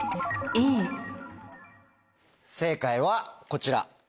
正解はこちら。